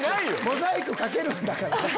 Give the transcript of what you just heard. モザイクかけるんだから。